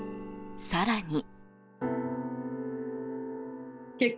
更に。